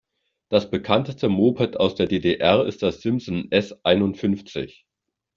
Das Bekannteste Moped aus der D-D-R ist die Simson S einundfünfzig.